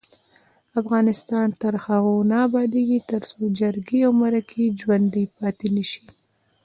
افغانستان تر هغو نه ابادیږي، ترڅو جرګې او مرکې ژوڼدۍ پاتې نشي.